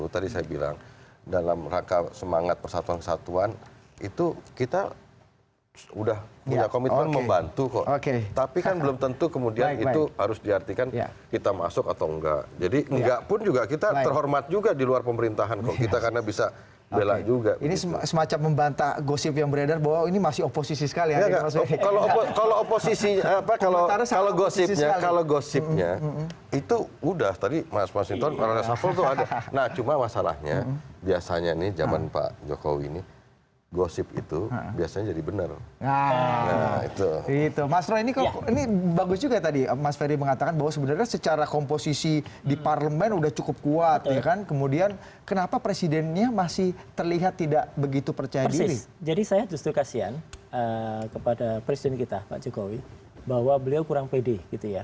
jadi saya justru kasian kepada presiden kita pak jokowi bahwa beliau kurang pede gitu ya